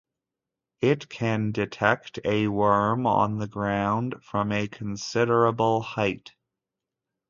It can detect a worm on the ground from a considerable height.